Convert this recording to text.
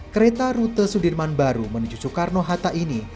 kereta rute sudirman baru menuju soekarno hatta ini